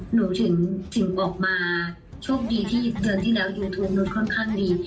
หนูถึงออกมาโชคดีที่เดือนที่แล้วยูทูปนู้นค่อนข้างดี